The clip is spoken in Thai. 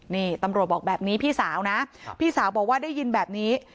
นี่ตำรวจบอกแบบนี้พี่สาวนะพี่สาวบอกว่าได้ยินแบบนี้